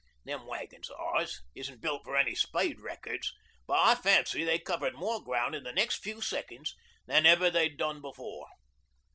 Them wagons o' ours isn't built for any speed records but I fancy they covered more ground in the next few seconds than ever they've done before.